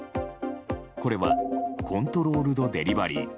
これはコントロールドデリバリー